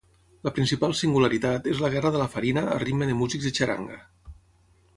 La principal singularitat és la guerra de la farina a ritme de músics de xaranga.